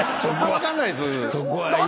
分かんないです。